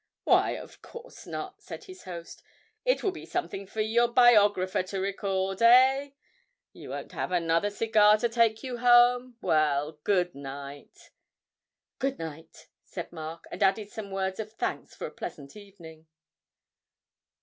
'Why, of course not,' said his host; 'it will be something for your biographer to record, eh? You won't have another cigar to take you home? Well, good night.' 'Good night,' said Mark, and added some words of thanks for a pleasant evening.